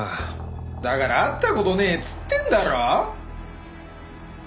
だから会った事ねえっつってんだろ！